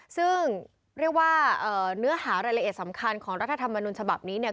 ซึ่งเรียกว่าเนื้อหารายละเอียดสำคัญของรัฐธรรมนุนฉบับนี้เนี่ย